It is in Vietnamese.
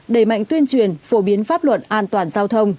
ba đẩy mạnh tuyên truyền phổ biến pháp luận an toàn giao thông